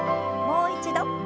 もう一度。